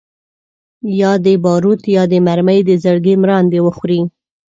یا دي باروت یا دي مرمۍ د زړګي مراندي وخوري